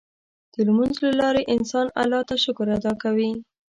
د لمونځ له لارې انسان الله ته شکر ادا کوي.